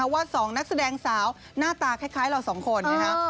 ว่าสองนักแสดงสาวหน้าตาคล้ายเราสองคน